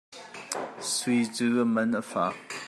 Sui cu a man a fak.